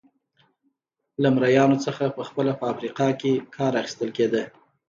له مریانو څخه په خپله په افریقا کې کار اخیستل کېده.